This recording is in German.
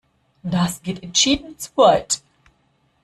Das geht entschieden zu weit!